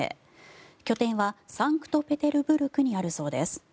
拠点はサンクトペテルブルクにあるそうです。